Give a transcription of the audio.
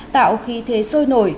tạo khí thế sôi nổi